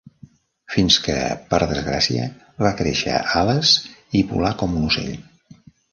Fins que, per desgràcia, va créixer ales i volà com un ocell.